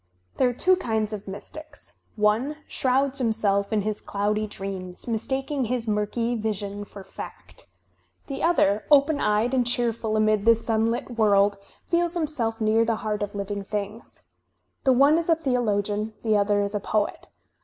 There are two kinds of mystics. One shrouds himself in his cloudy dreams, mistaking his murky vision for fact. Digitized by Google 186 THE SPIRIT OP AMERICAN LITERATURE The othei:, open eyed and cheerful amid the sunlit world, foels himself near the heart of living things. The one is a ■^^theologian; the other is a poet.